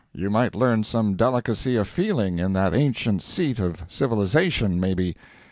You might learn some delicacy of feeling in that ancient seat of civilization, maybe.